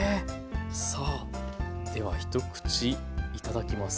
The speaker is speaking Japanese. さあでは一口いただきます。